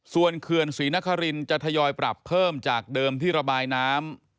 ส่วนเขื่อนศรีนครินจะทยอยปรับเพิ่มจากเดิมที่ระบายน้ำ